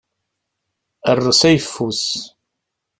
Err s ayeffus.